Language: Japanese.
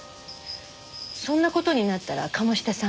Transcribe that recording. そんな事になったら鴨志田さん